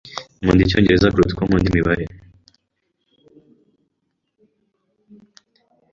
Nkunda icyongereza kuruta uko nkunda imibare.